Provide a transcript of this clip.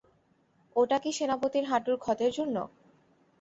ওটা কি সেনাপতির হাঁটুর ক্ষতের জন্য?